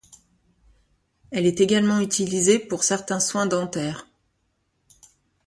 Elle est également utilisée pour certains soins dentaires.